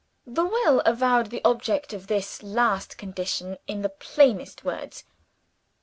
The will avowed the object of this last condition in the plainest words.